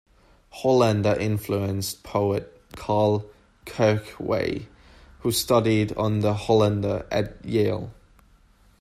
Hollander influenced poet Karl Kirchwey, who studied under Hollander at Yale.